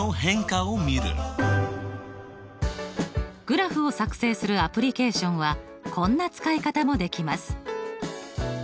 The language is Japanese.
グラフを作成するアプリケーションはこんな使い方もできます。